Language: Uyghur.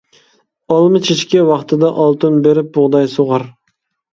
ئالما چېچىكى ۋاقتىدا ئالتۇن بېرىپ بۇغداي سۇغار.